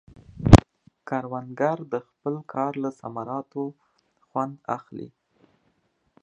کروندګر د خپل کار له ثمراتو خوند اخلي